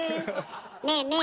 ねえねえ